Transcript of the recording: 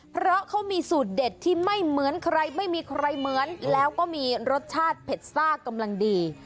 เพราะเขามีสูตรเด็ดที่ไม่เหมือนใครไม่มีใครเหมือนแล้วก็มีรสชาติเผ็ดซ่ากำลังดี